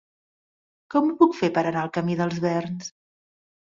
Com ho puc fer per anar al camí dels Verns?